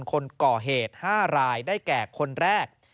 คนก่อเหตุ๕รายได้แก่คนแรก